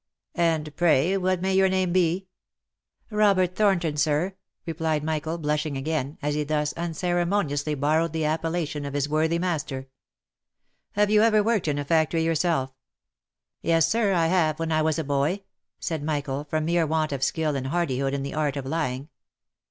" And pray what may your name be ?"" Robert Thornton, sir," replied Michael, blushing again, as he thus unceremoniously borrowed the appellation of his worthy master. " Have you ever worked in a factory yourself?" " Yes, sir, I have, when I was a boy," said Michael, from mere want of skill and hardihood in the art of lying.